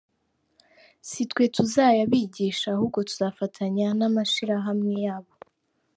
Si twe tuzayabigisha ahubwo tuzafatanya n’amashyirahamwe yabo.